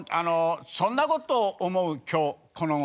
そんなことを思う今日このごろ。